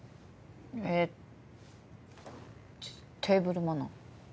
えっテーブルマナー？